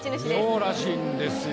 そうらしいんですよ。